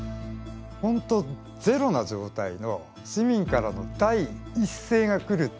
ほんとゼロな状態の市民からの第一声が来るっていう。